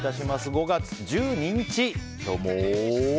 ５月１２日、今日も。